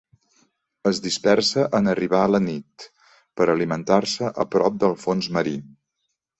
Es dispersa en arribar la nit per alimentar-se a prop del fons marí.